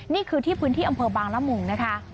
นี่คือที่พื้นที่อำเภอบางละมุงนะคะ